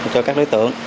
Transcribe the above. cho các đối tượng